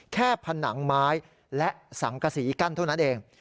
ผนังไม้และสังกษีกั้นเท่านั้นเอง